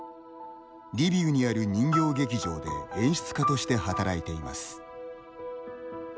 リビウにある人形劇場で演出家として働いています。